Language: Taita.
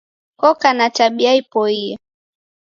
Koka na tabia ipoie.